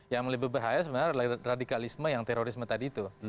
yang lebih berbahaya sebenarnya adalah radikalisme yang terorisme tadi itu